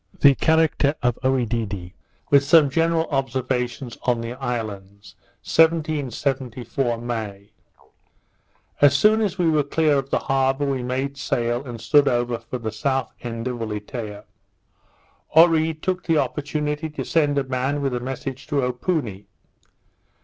The Character of Oedidee; with some general Observations on the Islands._ 1774 May As soon as we were clear of the harbour, we made sail, and stood over for the South end of Ulietea. Oree took the opportunity to send a man with a message to Opoony.